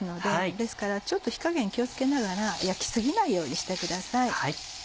ですからちょっと火加減気を付けながら焼き過ぎないようにしてください。